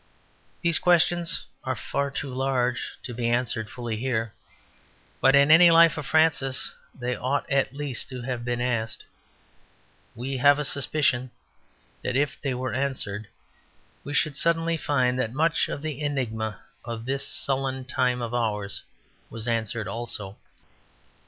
These questions are far too large to be answered fully here, but in any life of Francis they ought at least to have been asked; we have a suspicion that if they were answered we should suddenly find that much of the enigma of this sullen time of ours was answered also.